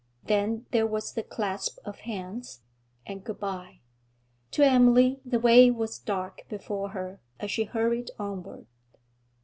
Then there was the clasp of hands, and good bye. To Emily the way was dark before her as she hurried onward....